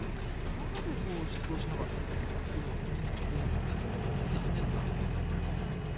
なぜ出動しなかったのかというのが残念でならないですね。